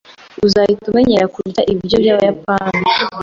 Uzahita umenyera kurya ibiryo byabayapani